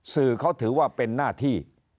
สื่อเขาถือว่าเป็นหน้าที่